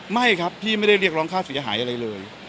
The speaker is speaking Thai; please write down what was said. ไม่ครับพี่ไม่ได้เรียกร้องค่าเสียหายอะไรเลย